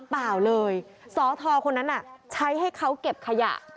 เปล่าเลยสอทอคนนั้นใช้ให้เขาเก็บขยะ